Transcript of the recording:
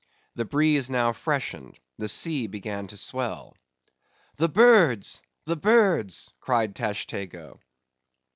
The breeze now freshened; the sea began to swell. "The birds!—the birds!" cried Tashtego.